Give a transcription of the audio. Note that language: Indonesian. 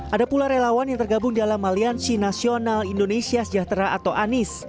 ada pula relawan yang tergabung dalam aliansi nasional indonesia sejahtera atau anies